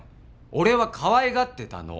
俺はかわいがってたの。